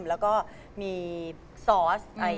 แล้วก็มีซอส